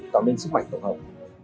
tạo nên sức mạnh tổng hợp